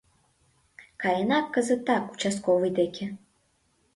Каена кызытак участковый деке!